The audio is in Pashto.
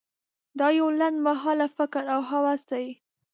دا یو لنډ مهاله فکر او هوس دی.